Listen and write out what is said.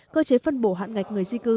cơ chế phân bổ hạn ngạch người di cư